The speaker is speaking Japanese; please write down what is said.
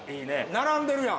並んでるやん。